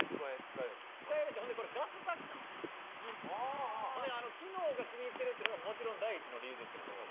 使えるしほんでほんで機能が気に入ってるっていうのがもちろん第１の理由ですけどね。